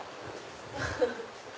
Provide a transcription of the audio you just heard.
フフフ！